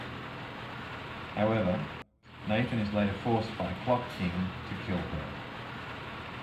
However, Nathan is later forced by Clock King to kill her.